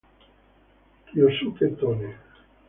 Ryosuke Tone